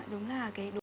đúng là cái đúng